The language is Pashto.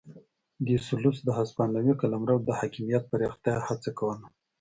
ډي سلوس د هسپانوي قلمرو د حاکمیت پراختیا هڅه کوله.